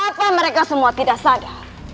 kenapa mereka semua tidak sadar